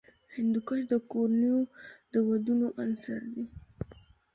هندوکش د کورنیو د دودونو عنصر دی.